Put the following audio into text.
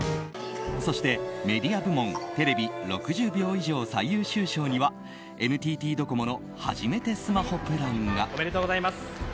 そして、メディア部門テレビ・６０秒以上最優秀賞にはＮＴＴドコモのはじめてスマホプランが。